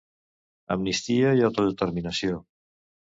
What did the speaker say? Amnistia i autodeterminació